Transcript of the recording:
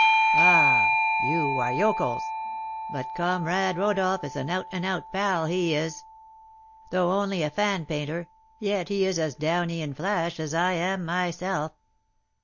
"Ah! you are yokels; but comrade Rodolph is an out and out pal, he is. Though only a fan painter, yet he is as 'downy' in 'flash' as I am myself.